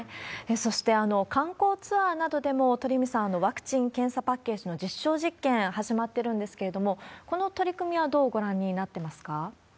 そして、観光ツアーなどでも、鳥海さん、ワクチン・検査パッケージの実証実験始まっているんですけれども、この取り組みはどうご覧になってますか？